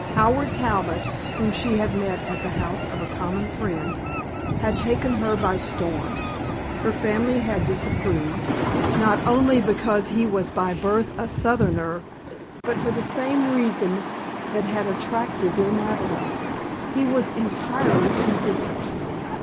Howard Talbot, whom she had met at the house of a common friend, had taken her by storm. Her family had disapproved, not only because he was by birth a Southerner, but for the same reason that had attracted their Madeleine. He was entirely too different.